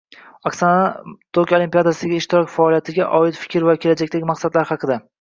Oksana Tokio Olimpiadasidagi ishtirok, faoliyatiga oid fikrlar va kelajakdagi maqsadlari haqida